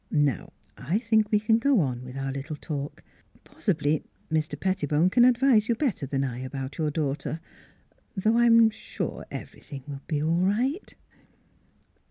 ... Now I think we can go on with our little talk. Possibly Mr. Pettibone can advise you better than I about your daughter though I am sure everything will be all right."